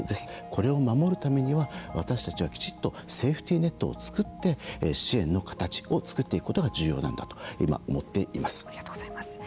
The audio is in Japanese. これを守るためには私たちはきちっとセーフティーネットを作って支援の形を作っていくことが重要なんだとありがとうございます。